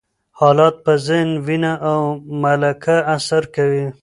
حالات په ذهن، وینه او ملکه اثر کوي.